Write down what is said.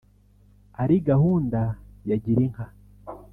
ari gahunda ya Girinka